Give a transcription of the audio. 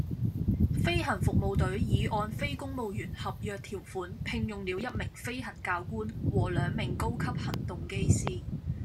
飛行服務隊已按非公務員合約條款聘用了一名飛行教官和兩名高級行動機師